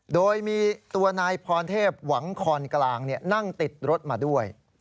โดยมีตัวนายพรเทพหวังคอนกลางนั่งติดรถมาด้วย